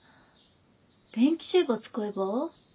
電気シェーバー使えば？